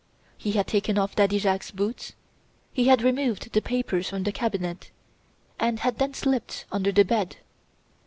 He had taken off Daddy Jacques's boots; he had removed the papers from the cabinet; and had then slipped under the bed.